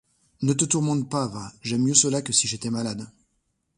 Ne te tourmente pas, va ; j'aime mieux cela que si j'étais malade.